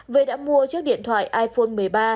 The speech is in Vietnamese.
về đã mua chiếc điện thoại iphone một mươi ba